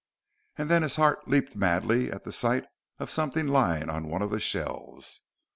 And then his heart leaped madly at the sight of something lying on one of the shelves.